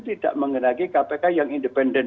tidak mengenai kpk yang independen